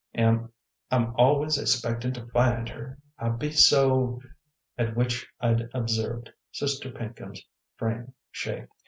I'm always expectin' to find her, I be so," at which I observed Sister Pinkham's frame shake.